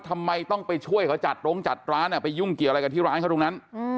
ทำไมต้องไปช่วยเขาจัดโรงจัดร้านไปยุ่งเกี่ยวอะไรกันที่ร้านเขาตรงนั้น